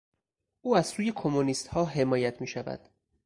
او از سوی کمونیستها حمایت میشود.